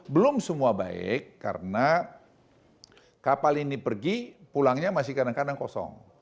belum semua baik karena kapal ini pergi pulangnya masih kadang kadang kosong